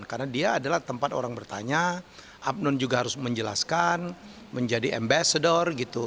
karena dia adalah tempat orang bertanya abnone juga harus menjelaskan menjadi ambassador gitu